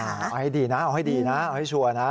เอาให้ดีนะเอาให้ดีนะเอาให้ชัวร์นะ